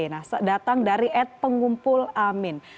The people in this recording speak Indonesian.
nah datang dari ed pengumpul amin